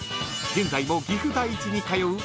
現在も岐阜第一に通う］